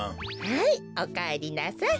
はいおかえりなさい。